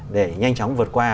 để nhanh chóng vượt qua